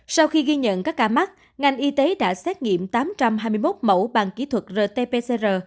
sau khi ghi nhận các ca mắc ngành y tế đã xét nghiệm tám trăm hai mươi một mẫu bằng kỹ thuật rt pcr